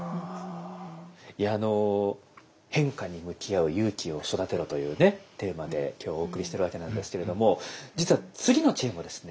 いやあの「変化に向き合う勇気を育てろ」というねテーマで今日お送りしてるわけなんですけれども実は次の知恵もですね